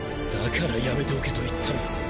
だからやめておけと言ったのだ。